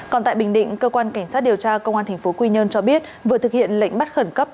còn tại bình định cơ quan cảnh sát điều tra công an tp quy nhơn cho biết vừa thực hiện lệnh bắt khẩn cấp